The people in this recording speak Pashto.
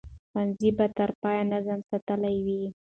ښوونځي به تر پایه نظم ساتلی وي.